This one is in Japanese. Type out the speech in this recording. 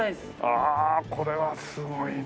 ああこれはすごいね。